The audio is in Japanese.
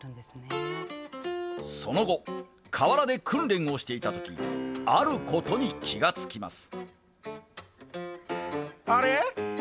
その後、河原で訓練をしていたときあることに気が付きます。